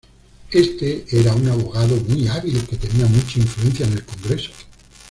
Este era un abogado muy hábil que tenía mucha influencia en el Congreso.